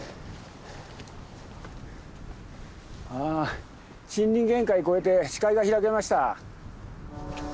あ森林限界越えて視界が開けました。